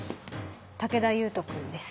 武田勇人君です。